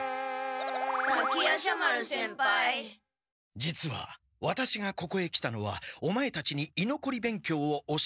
実はワタシがここへ来たのはオマエたちにいのこり勉強を教えるためではない。